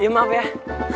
pak maaf pak